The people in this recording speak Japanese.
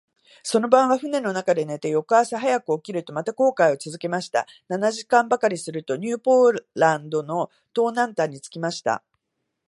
その晩は舟の中で寝て、翌朝早く起きると、また航海をつづけました。七時間ばかりすると、ニューポランドの東南端に着きました。